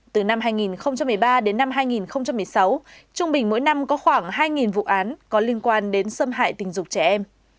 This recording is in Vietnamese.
từ năm hai nghìn một mươi ba đến năm hai nghìn một mươi sáu trung bình mỗi năm có khoảng hai vụ án có liên quan đến xâm hại tình dục trẻ em